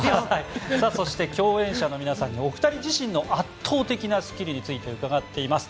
そして共演者の皆さんにお二人自身の圧倒的なスキルについて伺っていきます。